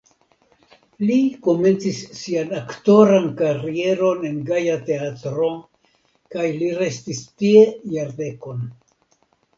Li komencis sian aktoran karieron en Gaja Teatro kaj li restis tie jardekon.